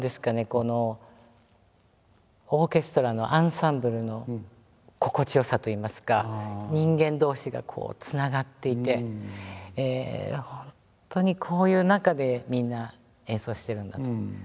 このオーケストラのアンサンブルの心地よさといいますか本当にこういう中でみんな演奏してるんだと。